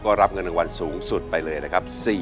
ก็รับเงินรางวัลสูงสุดไปเลยนะครับ